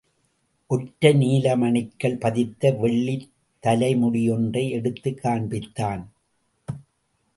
ஒற்றை நீலமணிக்கல் பதித்த வெள்ளித் தலைமுடியொன்றை யெடுத்துக் காண்பித்தான்.